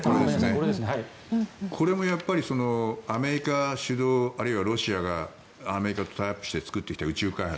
これもやっぱりアメリカ主導あるいはロシアがアメリカとタイアップして作ってきた宇宙開発。